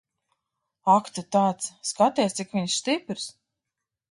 Ak tu tāds. Skaties, cik viņš stiprs.